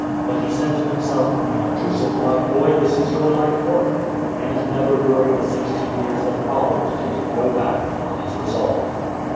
But he said to himself, "Now, Joseph, my boy, this is your life work !" And never during the sixteen years that followed did he go back upon his resolve.